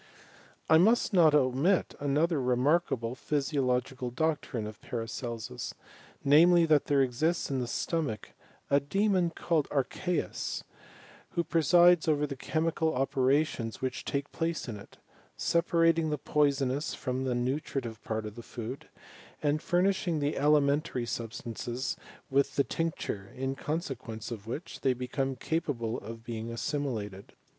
I must not omit another remarkable physiological doctrine of Paracelsus, namely, that there exists in the ;' stomach a demon called ArchceuSy who presides over: j the chemical operations which take place in it, sepa '\ rating the poisonous from the nutritive part of food,' and furnishing the alimentary substances with the; tincture, in consequence of which they become capable. '. of being assimilated.